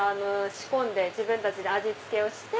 仕込んで自分たちで味付けをして。